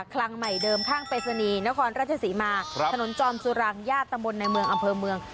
คลังใหม่เดิมข้างปริศนีย์นครราชศรีมาถนนจอมสุรังญาติตำบลในเมืองอำเภอเมือง